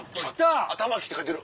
「玉木」って書いてる。